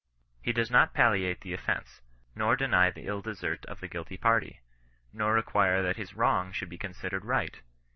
He does not palliate the offence, nor deny the ill desert of the guilty party, nor require that his wrong should be considered right.